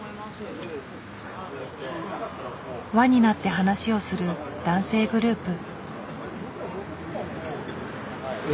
輪になって話をする男性グループ。